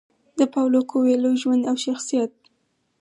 د پاولو کویلیو ژوند او شخصیت: